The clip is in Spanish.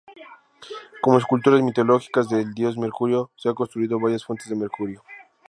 Como esculturas mitológicas del dios Mercurio se han construido varias "fuentes de Mercurio".